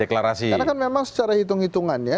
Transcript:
karena kan memang secara hitung hitungannya